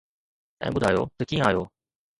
۽ ٻڌايو ته ڪيئن آهيو؟